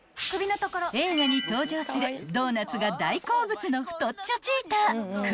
［映画に登場するドーナツが大好物の太っちょチーター］